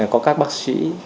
có các bác sĩ